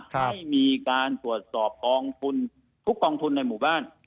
ให้มีการตรวจสอบกองทุนทุกกองทุนในหมู่บ้าน